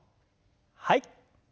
はい。